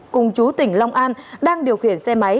cùng chú tỉnh long an đang điều khiển xe máy